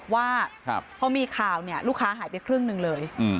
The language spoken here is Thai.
ว่าพอมีข่าวเนี่ยลูกค้าหายไปครึ่งหนึ่งเลย